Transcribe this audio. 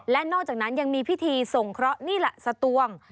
และนอกจากนั้นยังมีพิธีส่งเคราะห์นี่แหละสตวง